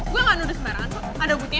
gue gak nuduh sembarangan kok pada obotnya